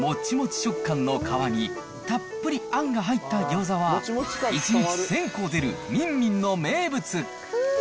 食感の皮にたっぷりあんが入ったギョーザは１日１０００個出るみんみんの名物。